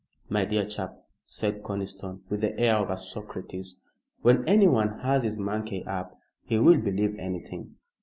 "My dear chap," said Conniston, with the air of a Socrates, "when anyone has his monkey up, he will believe anything."